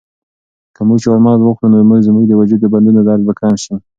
که موږ چهارمغز وخورو نو زموږ د وجود د بندونو درد به کم شي.